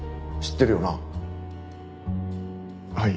はい。